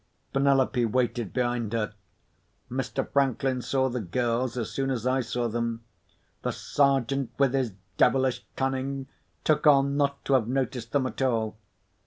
Penelope waited behind her. Mr. Franklin saw the girls as soon as I saw them. The Sergeant, with his devilish cunning, took on not to have noticed them at all.